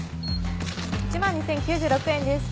１万２０９６円です。